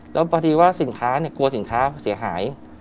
แล้วพอดีว่าสินค้ากลัวเสียหาย